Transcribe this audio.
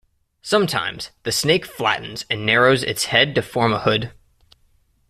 Sometimes, the snake flattens and narrows its head to form a hood.